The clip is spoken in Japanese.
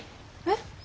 えっ？